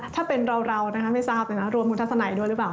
ถ้าเป็นเราไม่ทราบนะรวมคุณธรรมไหนด้วยหรือเปล่า